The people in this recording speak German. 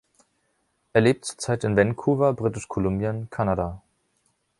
Er lebt zurzeit in Vancouver, Britisch-Kolumbien, Kanada.